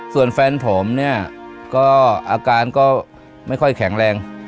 ส่วนแฟนผมเนี่ยก็อาการก็ไม่ค่อยแข็งแรง